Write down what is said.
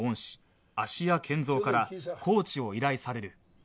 芦屋賢三からコーチを依頼される